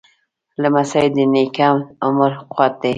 لمسی د نیکه د عمر قوت دی.